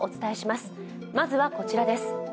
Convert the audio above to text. まずはこちらです。